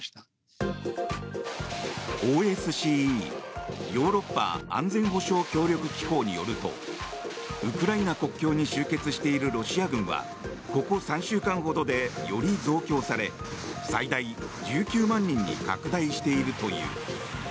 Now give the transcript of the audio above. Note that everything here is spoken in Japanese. ・ヨーロッパ安全保障協力機構によるとウクライナ国境に集結しているロシア軍はここ３週間ほどでより増強され最大１９万人に拡大しているという。